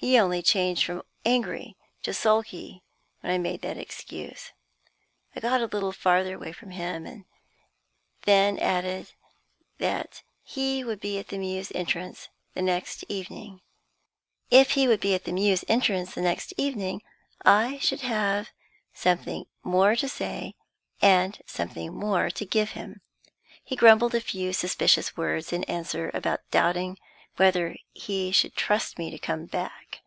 He only changed from angry to sulky when I made that excuse. I got a little further away from him, and then added that if he would be at the Mews entrance the next evening I should have something more to say and something more to give him. He grumbled a few suspicious words in answer about doubting whether he should trust me to come back.